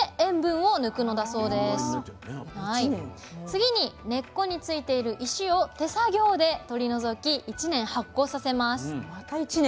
次に根っこについている石を手作業で取り除き１年発酵させます。